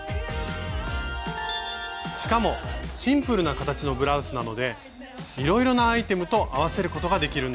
しかもシンプルな形のブラウスなのでいろいろなアイテムと合わせることができるんです。